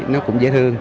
nó cũng dễ thương